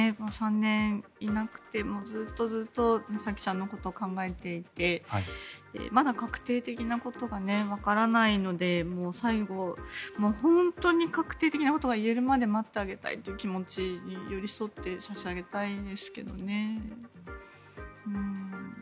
３年いなくてずっとずっと美咲ちゃんのことを考えていて、まだ確定的なことがわからないので最後、本当に確定的なことが言えるまで待ってあげたいという気持ち寄り添って差し上げたいですね。